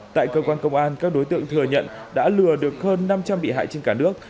tại cơ quan công an các đối tượng thừa nhận đã lừa được hơn năm trăm linh bị hại trên cả nước